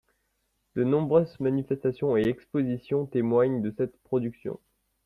De nombreuses manifestations et expositions témoignent de cette production.